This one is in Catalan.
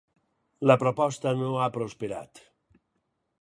La proposta no ha prosperat.